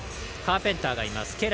カーペンターがいます